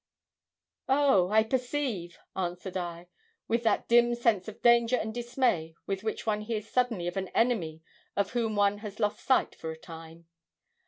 'Oh, I perceive,' answered I, with that dim sense of danger and dismay with which one hears suddenly of an enemy of whom one has lost sight for a time.